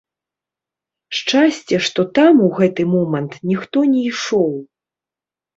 Шчасце, што там у гэты момант ніхто не ішоў.